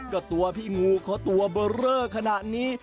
ก็ตัวพี่งูเขาตัวเบอร์เรอขนาดนี้